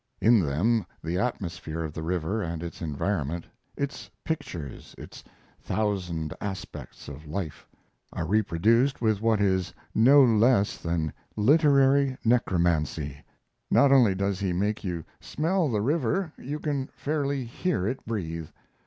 In them the atmosphere of, the river and its environment its pictures, its thousand aspects of life are reproduced with what is no less than literary necromancy. Not only does he make you smell the river you can fairly hear it breathe.